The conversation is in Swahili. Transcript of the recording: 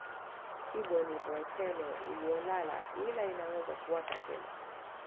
Kibo ni volkeno iliyolala ila inaweza kuwaka tena